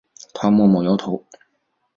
他默默摇头